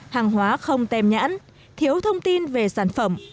hàng hóa không tem nhãn thiếu thông tin về sản phẩm